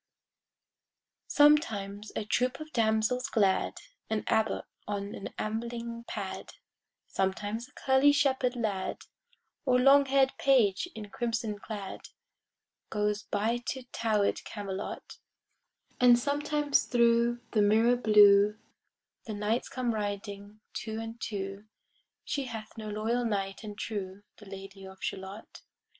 Sometimes a troop of damsels glad, An abbot on an ambling pad, Sometimes a curly shepherd lad, Or long hair'd page in crimson clad, Goes by to tower'd Camelot; And sometimes thro' the mirror blue The knights come riding two and two: She hath no loyal knight and true, The Lady of Shalott.